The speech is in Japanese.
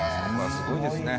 すごいですね。